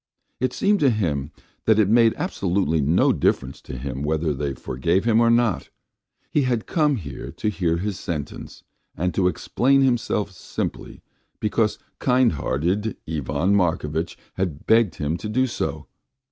It seemed to him that it made absolutely no difference to him whether they forgave him or not; he had come here to hear his sentence and to explain himself simply because kind hearted Ivan Markovitch had begged him to do so.